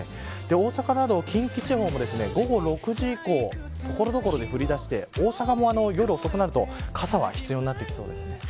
大阪など近畿地方も午後６時以降所々で降りだして大阪も夜遅くなると傘が必要になりそうです。